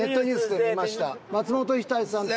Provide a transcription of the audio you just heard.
松本人志さんと。